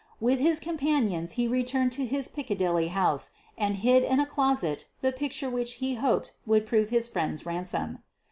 With his companions he returned to his Piccadilly house and hid in a closet the picture which he hoped would prove his friend's ransom.